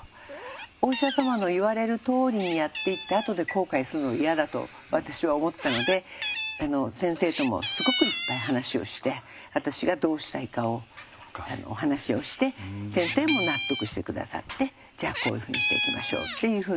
お医者様の言われるとおりにやっていってあとで後悔するの嫌だと私は思ったので先生ともすごくいっぱい話をして私がどうしたいかをお話をして先生も納得して下さってじゃあこういうふうにしていきましょうっていうふうに。